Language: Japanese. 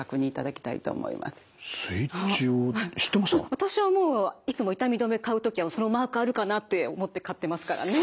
私はもういつも痛み止め買う時はそのマークあるかなって思って買ってますからね。